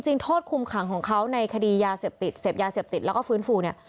โทษคุมขังของเขาในคดียาเสพติดเสพยาเสพติดแล้วก็ฟื้นฟูเนี่ย